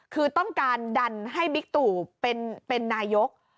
คือต้องการดันให้บิ๊กตู่เป็นนายก